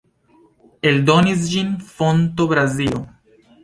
Eldonis ĝin Fonto, Brazilo.